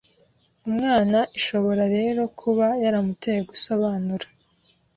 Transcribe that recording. Umwana ishobora rero kuba yaramuteye gusobanura